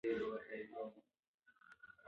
هغوی د انساني چلند اصلي لاملونه لټول.